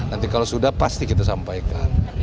nanti kalau sudah pasti kita sampaikan